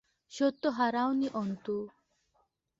সত্য হারাও নি অন্তু।